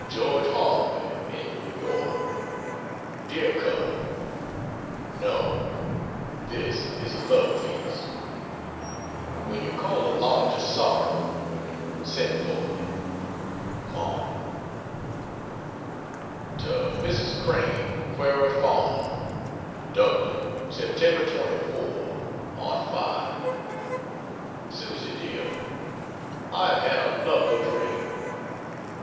George Harvey, in New York: DEAR COLONEL, No, this is a love feast; when you call a lodge of sorrow send for me. MARK. To Mrs. Crane, Quarry Farm: DUBLIN, Sept. 24, '05. Susy dear, I have had a lovely dream.